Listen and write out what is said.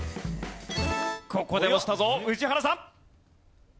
ここで押したぞ宇治原さん。